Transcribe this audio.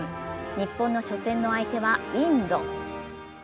日本の初戦の相手はインド。